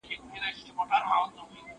کټو په درې واره ماتېږي.